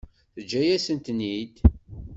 Teǧǧa-yasent-ten-id.